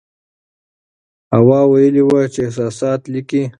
هوا ویلي وو چې احساسات لیکي.